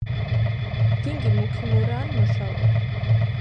დინგი მუქი მურა ან მოშავოა.